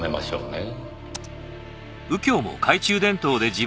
ええ。